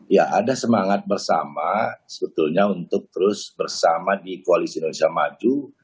ya ada semangat bersama sebetulnya untuk terus bersama di koalisi indonesia maju